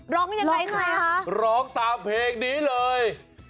ร้องยังไงร้องตามเพลงนี้เลย